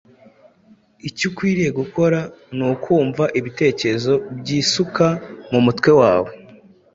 Icyo ukwiriye gukora ni ukumva ibitekerezo byisuka mu mutwe wawe